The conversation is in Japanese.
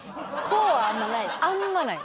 こうはあんまない。